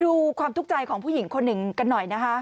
ดูความทุกข์ใจของผู้หญิงคนหนึ่งกันหน่อยนะคะ